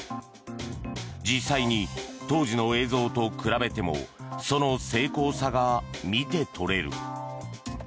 実際に当時の映像を比べてもその精巧さが見て取れる。